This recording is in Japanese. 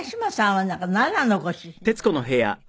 はい。